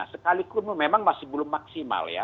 sekalipun memang masih belum maksimal ya